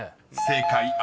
［正解。